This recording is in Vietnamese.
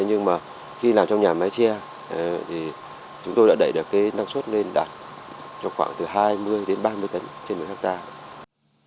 nhưng khi làm trong nhà mái che chúng tôi đã đẩy được năng suất lên đạt khoảng hai mươi ba mươi tấn trên hectare